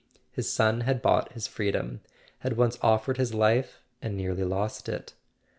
His son had bought his freedom, had once offered his life and nearly lost it.